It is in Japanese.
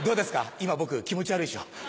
今僕気持ち悪いでしょ？